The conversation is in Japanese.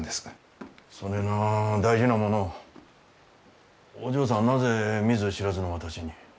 そねえな大事なものをお嬢さんはなぜ見ず知らずの私に？